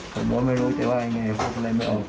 ผมว่าไม่รู้แต่ว่าอย่างไรผมก็เลยไม่ออก